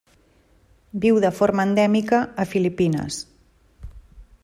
Viu de forma endèmica a Filipines.